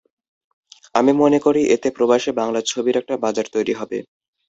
আমি মনে করি, এতে প্রবাসে বাংলা ছবির একটা বাজার তৈরি হবে।